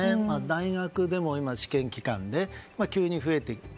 大学でも試験期間で急に増えて。